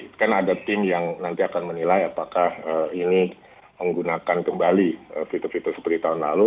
ini kan ada tim yang nanti akan menilai apakah ini menggunakan kembali fitur fitur seperti tahun lalu